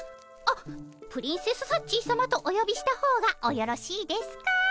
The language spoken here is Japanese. あっプリンセスサッチーさまとおよびした方がおよろしいですか？